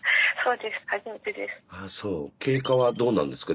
経過はどうなんですか？